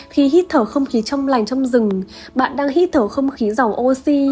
khi hít thở không khí trong lành trong rừng bạn đang hít thở không khí giàu oxy